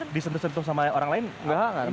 ini kalau disentuh sentuh sama orang lain enggak masalah